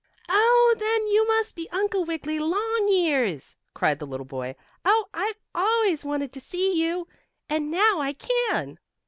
"Oh, then, you must be Uncle Wiggily Longears!" cried the little boy. "Oh, I've always wanted to see you, and now I can!"